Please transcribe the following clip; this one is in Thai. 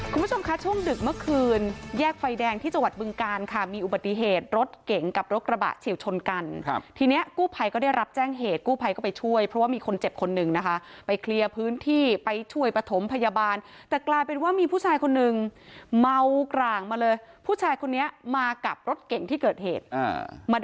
คุณผู้ชมคะช่วงดึกเมื่อคืนแยกไฟแดงที่จังหวัดบึงการค่ะมีอุบัติเหตุรถเก่งกับรถกระบะเฉียวชนกันครับทีนี้กู้ภัยก็ได้รับแจ้งเหตุกู้ภัยก็ไปช่วยเพราะว่ามีคนเจ็บคนหนึ่งนะคะไปเคลียร์พื้นที่ไปช่วยประถมพยาบาลแต่กลายเป็นว่ามีผู้ชายคนนึงเมากร่างมาเลยผู้ชายคนนี้มากับรถเก่งที่เกิดเหตุอ่ามัน